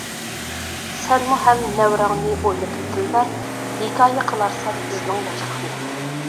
سەنمۇ ھەم نەۋرەڭنى ئوينىتىپ دىلبەر، ھېكايە قىلارسەن بىزنىڭ ياشلىقنى.